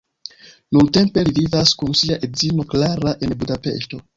Nuntempe li vivas kun sia edzino Klara en Budapeŝto.